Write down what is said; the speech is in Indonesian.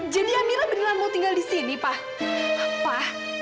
jadi amira benar benar mau tinggal di sini pak